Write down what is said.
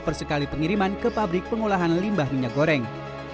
per sekali pengiriman ke pabrik pengolahan limbah minyak goreng